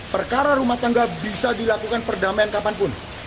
perkara rumah tangga bisa dilakukan perdamaian kapanpun